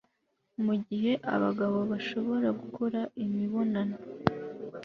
mu gihe abagabo bashobora gukora imibonano